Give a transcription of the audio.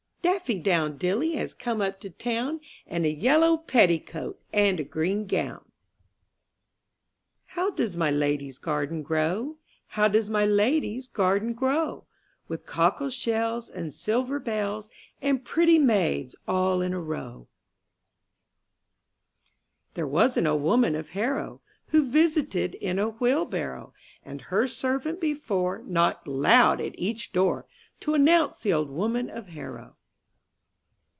AFFY DOWN DILLY has come up to town, In a yellow petticoat and a green gown. T TOW does my lady's garden grow? •'■"^ How does my lady's garden grow? With cockle shells and silver bells, And pretty maids all in a row. . 13 MY BOOK HOUSE nPHERE was an old woman of Harrow, ' Who visited in a wheelbarrow, And her servant before Knocked loud at each door To announce the old woman of Harrow.